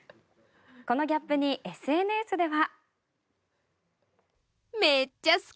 このギャップにＳＮＳでは。